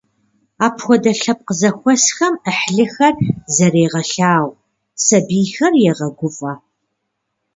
Апхуэдэ лъэпкъ зэхуэсхэм Ӏыхьлыхэр зэрегъэлъагъу, сабийхэр егъэгуфӏэ.